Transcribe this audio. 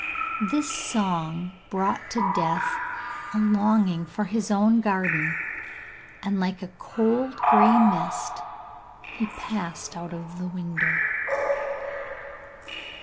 This song brought to Death a longing for his own garden, and, like a cold grey mist, he passed out of the window.